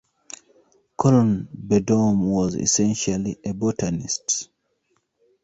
Colonel Beddome was essentially a botanist.